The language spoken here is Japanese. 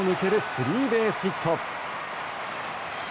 スリーベースヒット。